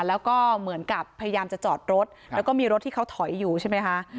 แล้วก็เหมือนกับพยายามจะจอดรถแล้วก็มีรถที่เขาถอยอยู่ใช่ไหมคะ